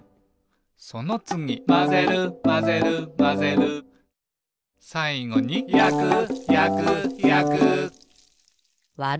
「そのつぎまぜるまぜるまぜる」「さいごにやくやくやく」「わる」